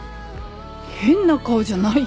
変な顔じゃないよ。